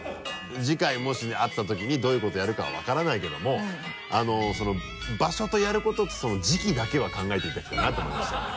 次回もしあった時にどういうことをやるか分からないけども場所とやることと時季だけは考えていただきたいなと思いましたよね。